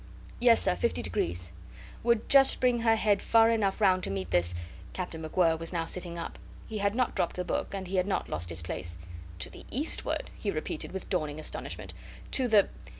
"Yes, sir. Fifty degrees. ... Would just bring her head far enough round to meet this. ..." Captain MacWhirr was now sitting up. He had not dropped the book, and he had not lost his place. "To the eastward?" he repeated, with dawning astonishment. "To the